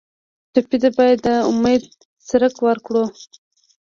ټپي ته باید د امید څرک ورکړو.